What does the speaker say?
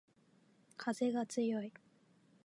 かぜがつよい